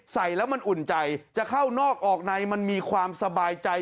ใส่แล้วมันอุ่นใจจะเข้านอกออกในมันมีความสบายใจ